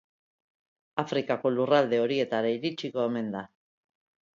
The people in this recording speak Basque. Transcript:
Afrikako lurralde horietara iritsiko omen da.